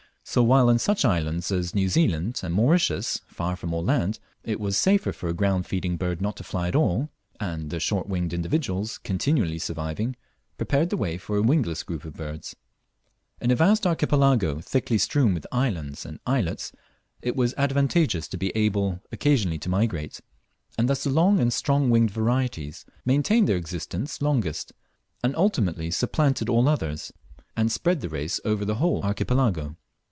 So, while in such islands as New Zealand and Mauritius far from all land, it was safer for a ground feeding bird not to fly at all, and the short winged individuals continually surviving, prepared the way for a wingless group of birds; in a vast Archipelago thickly strewn with islands and islets it was advantageous to be able occasionally to migrate, and thus the long and strong winged varieties maintained their existence longest, and ultimately supplanted all others, and spread the race over the whole Archipelago.